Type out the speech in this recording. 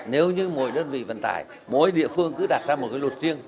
nếu như mỗi đơn vị vận tải mỗi địa phương cứ đặt ra một cái luật riêng